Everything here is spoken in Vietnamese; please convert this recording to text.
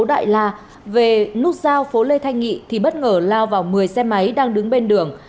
đại la về nút giao phố lê thanh nghị thì bất ngờ lao vào một mươi xe máy đang đứng bên đường